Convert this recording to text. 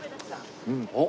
あっ。